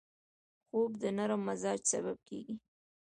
خوب د نرم مزاج سبب کېږي